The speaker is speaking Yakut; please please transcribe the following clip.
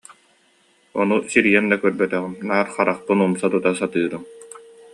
Ону сирийэн да көрбөтөҕүм, наар харахпын умса тута сатыырым